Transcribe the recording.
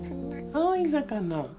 青い魚。